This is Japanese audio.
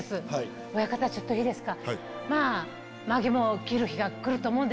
親方ちょっといいですか。